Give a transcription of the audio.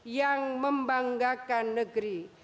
yang membanggakan negeri